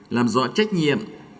làm rõ trách nhiệm